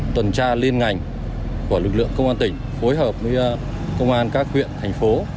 tuần tra liên ngành của lực lượng công an tỉnh phối hợp với công an các huyện thành phố